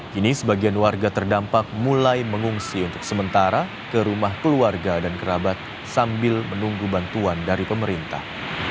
kini sebagian warga terdampak mulai mengungsi untuk sementara ke rumah keluarga dan kerabat sambil menunggu bantuan dari pemerintah